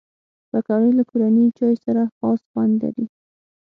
پکورې له کورني چای سره خاص خوند لري